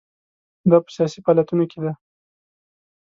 دا په سیاسي فعالیتونو کې ده.